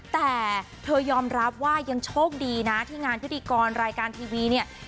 แต่เธอยอมรับว่ายังโชคดีนะที่งานพิธีกรรายการทีวีเนี่ย